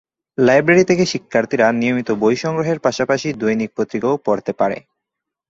Library থেকে শিক্ষার্থীরা নিয়মিত বই সংগ্রহের পাশাপাশি দৈনিক পত্রিকাও পড়তে পারে।